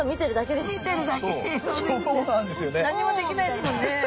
何もできないですもんね。